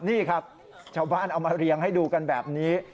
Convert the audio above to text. นี่ครับชาวบ้านเอามาเรียงให้ดูกันแบบนี้